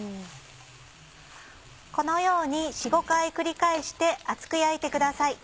このように４５回繰り返して厚く焼いてください。